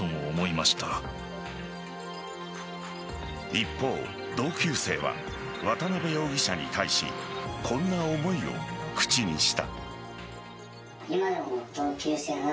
一方同級生は渡辺容疑者に対しこんな思いを口にした。